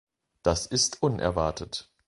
Das ist unerwartet.